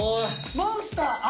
「モンスター」だ！